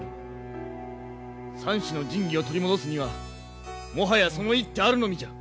三種の神器を取り戻すにはもはやその一手あるのみじゃ。